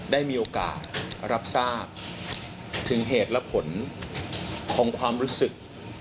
ได้มีโอกาสรับทราบถึงเหตุและผลของความรู้สึก